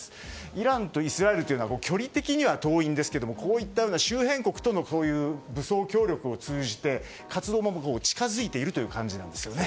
イランとイスラエルというのは距離的には遠いんですがこういった周辺国との武装協力を通じて活動も近づいているということなんですね。